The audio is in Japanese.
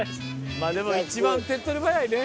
まぁでも一番手っ取り早いね。